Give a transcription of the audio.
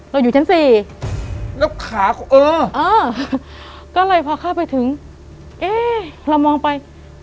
อยู่ชั้นสี่แล้วขาเขาเออเออก็เลยพอเข้าไปถึงเอ๊ะเรามองไป